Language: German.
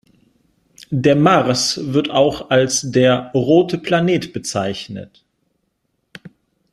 Der Mars wird auch als der „rote Planet“ bezeichnet.